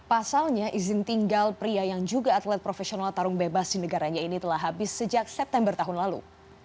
pasalnya izin tinggal pria yang juga atlet profesional tarung bebas di negaranya ini telah habis sejak september tahun lalu